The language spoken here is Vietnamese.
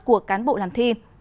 của cán bộ làm thi